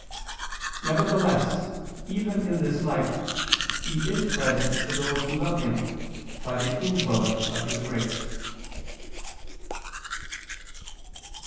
Nevertheless, even in this life, He is present to those who love Him, by the indwelling of His grace.